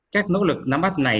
các nỗ lực nắm bắt này